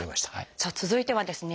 さあ続いてはですね